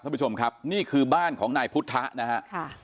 ท่านผู้ชมครับนี่คือบ้านของนายพุทธะนะฮะค่ะ